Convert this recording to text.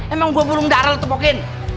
emang gue burung darah lo tepokin